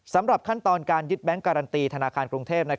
สำหรับขั้นตอนการยึดแบงค์การันตีธนาคารกรุงเทพ